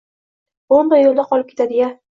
Bomba yo`lda qolib ketadi-ya